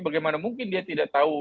bagaimana mungkin dia tidak tahu